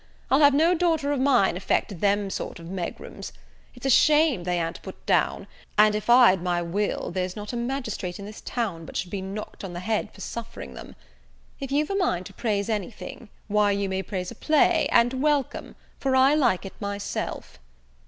I'll have no daughter of mine affect them sort of megrims. It is a shame they a'n't put down; and if I'd my will, there's not a magistrate in this town but should be knocked on the head for suffering them. If you've a mind to praise any thing, why you may praise a play, and welcome, for I like it myself."